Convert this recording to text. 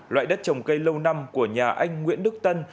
loại đất trồng cây lâu năm của nhà anh nguyễn đức tân